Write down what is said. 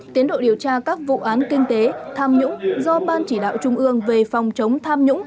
tiến độ điều tra các vụ án kinh tế tham nhũng do ban chỉ đạo trung ương về phòng chống tham nhũng